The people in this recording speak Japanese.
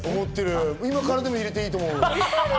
今からでも入れていいと思う。